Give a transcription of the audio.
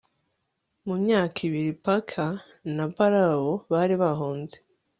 mu myaka ibiri, parker na barrow bari bahunze